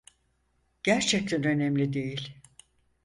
Gerçekten önemli değil.